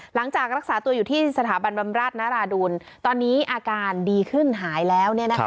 หลังจากรักษาตัวอยู่ที่สถาบันบำราชนาราดูลตอนนี้อาการดีขึ้นหายแล้ว